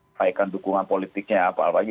melainkan dukungan politiknya apa lagi